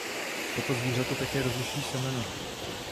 Tato zvířata také rozšiřují semena.